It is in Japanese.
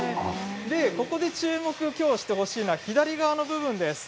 ここで注目してほしいのが左側の部分です。